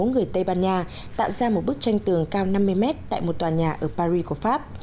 người tây ban nha tạo ra một bức tranh tường cao năm mươi mét tại một tòa nhà ở paris của pháp